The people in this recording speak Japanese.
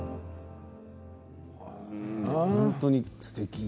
本当にすてきね。